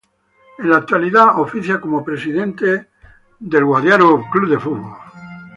En la actualidad oficia como presidente de los Boston Bruins.